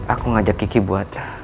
aku ngajak kiki buat